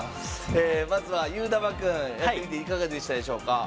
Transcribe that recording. まずは、ゆーだまくんやってみていかがでしたでしょうか？